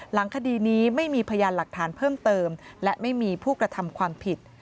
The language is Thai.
คดีนี้ไม่มีพยานหลักฐานเพิ่มเติมและไม่มีผู้กระทำความผิด